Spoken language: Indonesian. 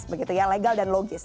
begitu ya legal dan logis